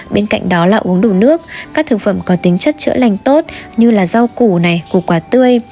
bên cạnh đó là uống đủ nước các thực phẩm có tính chất chữa lành tốt như là rau củ này củ quả tươi